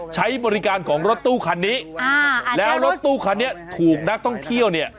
ใช้บริการของรถตู้คันนี้อ่าแล้วรถตู้คันนี้ถูกนักท่องเที่ยวเนี่ย